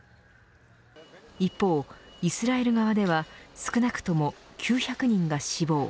一方、イスラエル側では少なくとも９００人が死亡。